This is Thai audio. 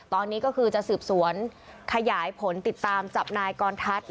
ตอนนี้ก็คือจะสืบสวนขยายผลติดตามจับนายกรทัศน์